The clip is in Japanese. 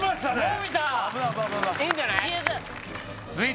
のびたいいんじゃない？